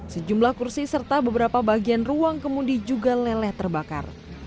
sejumlah kursi serta beberapa bagian ruang kemudi juga leleh terbakar